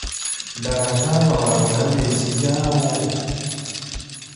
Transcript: Ddala ttaaba wabulabe ekiri awo?